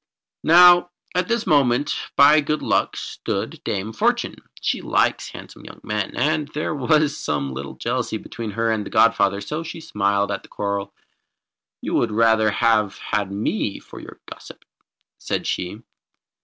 Now at this moment by Good Luck stood Dame Fortune. She likes handsome young men, and there was some little jealousy between her and the godfather so she smiled at the quarrel. "You would rather have had me for your gossip?" said she.